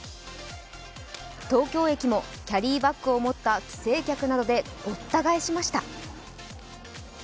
東京駅もキャリーバッグを持った帰省客などでごった返しました。